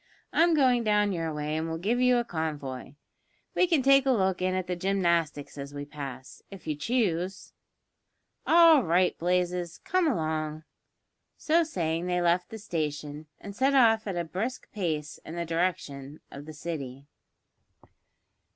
"I'm going down your way and will give you a convoy. We can take a look in at the gymnastics as we pass, if you choose." "All right, Blazes, come along." So saying they left the station, and set off at a brisk pace in the direction of the City.